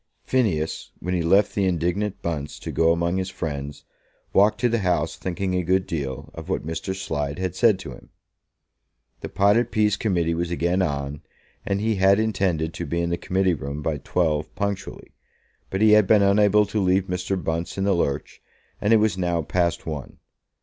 Phineas, when he left the indignant Bunce to go among his friends, walked to the House thinking a good deal of what Mr. Slide had said to him. The potted peas Committee was again on, and he had intended to be in the Committee Room by twelve punctually: but he had been unable to leave Mr. Bunce in the lurch, and it was now past one.